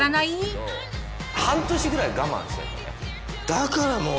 だからもう。